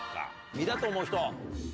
実だと思う人。